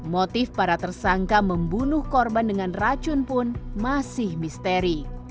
motif para tersangka membunuh korban dengan racun pun masih misteri